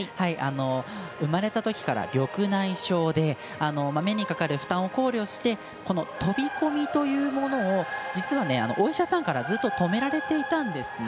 生まれたときから緑内障で目にかかる負担を考慮して飛び込みというものを実はお医者さんからずっと止められていたんですね。